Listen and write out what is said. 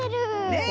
ねえ。